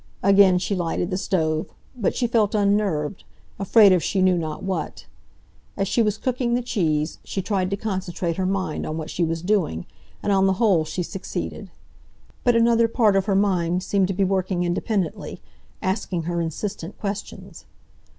Again she lighted the stove; but she felt unnerved, afraid of she knew not what. As she was cooking the cheese, she tried to concentrate her mind on what she was doing, and on the whole she succeeded. But another part of her mind seemed to be working independently, asking her insistent questions.